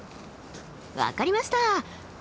分かりました！